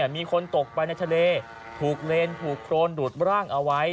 มีคนตกไปในทะเลถูกเลนถูกโครนดูดร่างเอาไว้